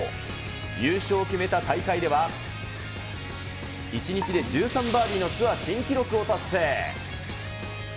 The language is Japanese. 優勝を決めた大会では、１日で１３バーディーのツアー新記録を達成。